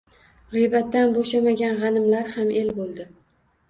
G‘iybatdan bo‘shamagan g‘animlar ham el bo‘ldi.